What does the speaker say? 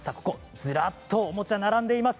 ずらっとおもちゃが並んでいます。